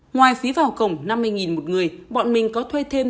ngoài phí vào cổng năm mươi một người bọn mình có thuê thêm